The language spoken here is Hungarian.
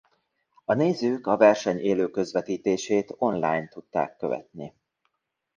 A nézők a verseny élő közvetítését online tudták követni.